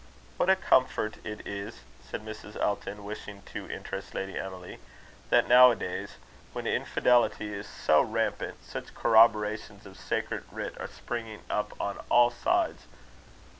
"What a comfort it is," said Mrs. Elton, wishing to interest Lady Emily, "that now a days, when infidelity is so rampant, such corroborations of Sacred Writ are springing up on all sides!